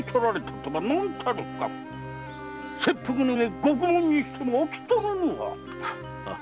切腹の上獄門にしても飽き足らぬわ！